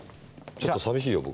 ちょっと寂しいよ僕。